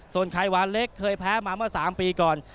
ส่วนไข่หวานเล็กเคยแพ้มาเมื่อ๓ปีก่อน